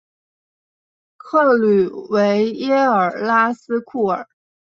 克吕维耶尔拉斯库尔。